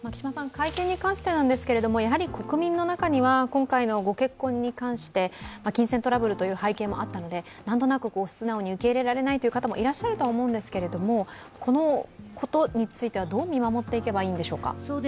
会見に関してなんですけど、国民の中には今回の御結婚に関して金銭トラブルという背景もあったので素直に受け入れられない方もいらっしゃると思うんですけどこのことについてはどう見守っていけばいいんでしょうか？